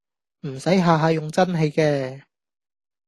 唔駛下下用真氣嘅